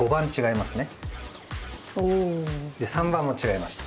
３番も違いました。